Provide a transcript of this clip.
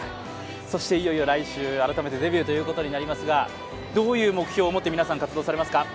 そしていよいよ来週、改めてデビューとなりますが、どういう目標を持って活動されていきますか。